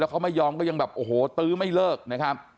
เขาไม่ยอมก็ยังแบบโอ้โหตื้อไม่เลิกนะครับ